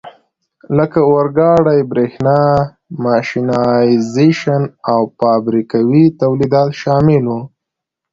لکه اورګاډي، برېښنا، ماشینایزېشن او فابریکوي تولیدات شامل وو.